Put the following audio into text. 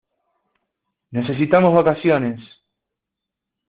Necesitamos vacaciones.